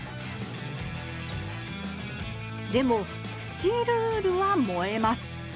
でもスチールウールは燃えます。